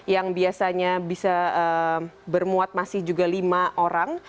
yang biasanya bisa bermuat masih juga lima orang